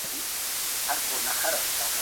فکر څخه د خپلو موخو لپاره استفاده کوي او د